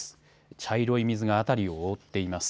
茶色い水が辺りを覆っています。